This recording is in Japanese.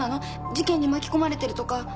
事件に巻き込まれてるとか。